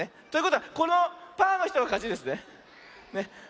ということはこのパーのひとがかちですね。